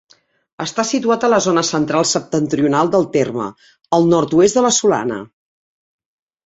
Està situat a la zona central-septentrional del terme, al nord-oest de la Solana.